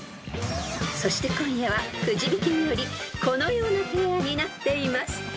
［そして今夜はくじ引きによりこのようなペアになっています］